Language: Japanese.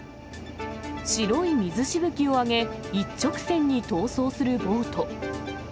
白い水しぶきを上げ、一直線に逃走するボート。